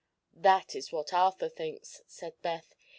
"That is what Arthur thinks," said Beth.